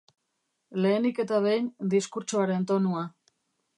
Lehenik eta behin, diskurtsoaren tonua.